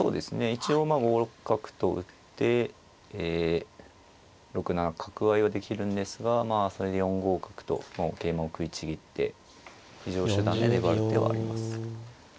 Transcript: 一応まあ５六角と打ってえ６七角合いはできるんですがまあそれで４五角と桂馬を食いちぎって非常手段で粘る手はあります。